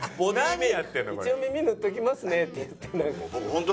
「一応耳塗っておきますね」って言ってなんか。